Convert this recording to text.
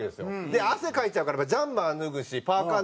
で汗かいちゃうからジャンパー脱ぐしパーカ